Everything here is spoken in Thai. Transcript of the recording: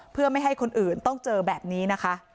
เพื่อไม่ให้คนอื่นต้องเจอแบบนี้นะคะ